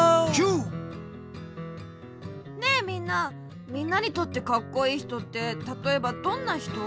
ねえみんなみんなにとってカッコイイひとってたとえばどんなひと？